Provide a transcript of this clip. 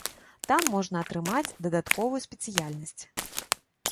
Там можна атрымаць дадатковую спецыяльнасць.